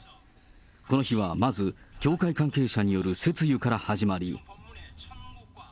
この日はまず、教会関係者による説諭から始まり。